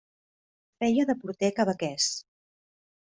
Feia de porter quebequès.